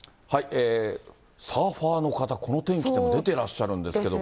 サーファーの方、この天気でも出てらっしゃるんですけれども。